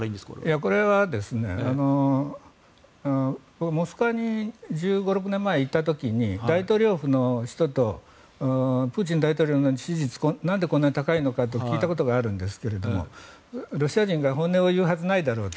これはモスクワに１５１６年前にいた時に大統領府の人とプーチン大統領の支持率なんでこんなに高いのかと聞いたことがあるんですがロシア人が本音を言うはずないだろうと。